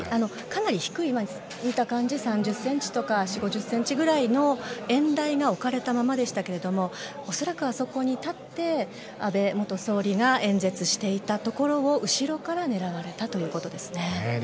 かなり低い、見た感じでは３０ｃｍとか４０５０ｃｍくらいの演台が置かれたままでしたが恐らく、あそこに立って安倍元総理が演説していたところを後ろから狙われたということですね。